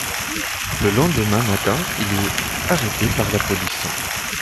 Le lendemain matin, il est arrêté par la police.